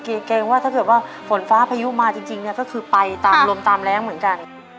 เกรงว่าถ้าเกิดว่าฝนฟ้าพายุมาจริงเนี่ยก็คือไปตามลมตามแรงเหมือนกัน